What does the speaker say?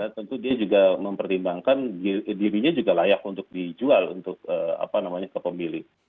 karena tentu dia juga mempertimbangkan dirinya juga layak untuk dijual untuk apa namanya kepemilih